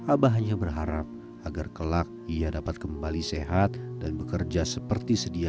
abah hanya berharap agar kelak ia dapat kembali sehat dan bekerja seperti sebelumnya